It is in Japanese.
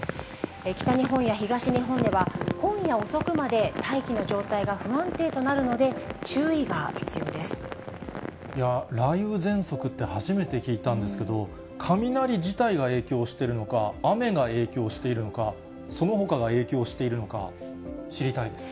北日本や東日本では、今夜遅くまで、大気の状態が不安定となるので、雷雨ぜんそくって初めて聞いたんですけど、雷自体が影響しているのか、雨が影響しているのか、そのほかが影響しているのか、知りたいです。